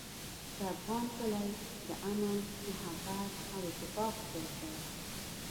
د افغان کلی د امن، محبت او اتفاق کور دی.